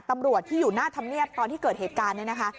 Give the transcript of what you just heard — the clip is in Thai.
ตำรวจที่อยู่หน้าธรรมเนียบตอนที่เกิดเหตุการณ์เนี่ยนะคะ